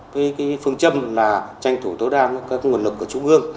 với phương châm là tranh thủ tối đa các nguồn lực của trung ương